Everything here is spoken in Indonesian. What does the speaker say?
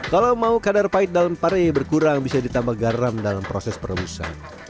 kalau mau kadar pahit dalam pare berkurang bisa ditambah garam dalam proses perebusan